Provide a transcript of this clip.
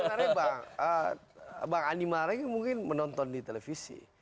jadi sebenarnya bang bang andi mareng mungkin menonton di televisi